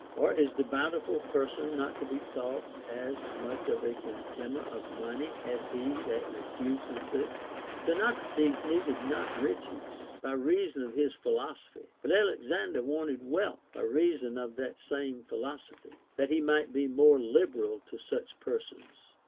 Or is the bountiful person not to be thought as much a contemner of money as he that refuses it ] Xeno crates needed not riches, by reason of his philosophy ; but Alexander wanted wealth, by reason of the same philoso phy, that he might be more liberal to such persons.